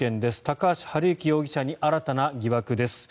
高橋治之容疑者に新たな疑惑です。